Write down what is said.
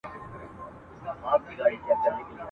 له لومړۍ ورځي په غم د ځان دی !.